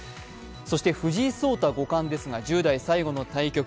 そして藤井聡太五冠ですが１０代最後の対局